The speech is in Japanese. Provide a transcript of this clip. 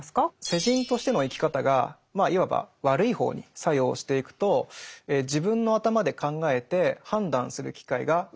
世人としての生き方がまあいわば悪い方に作用していくと自分の頭で考えて判断する機会が失われてしまいます。